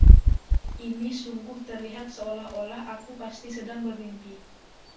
Ini sungguh terlihat seolah-olah aku pasti sedang bermimpi.